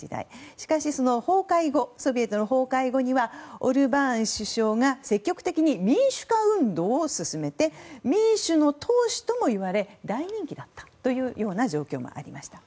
しかし、そのソビエトの崩壊後オルバーン首相が積極的に民主化運動を進めて民主の闘士ともいわれ大人気だったという状況もありました。